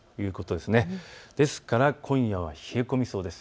ですから今夜は冷え込みそうです。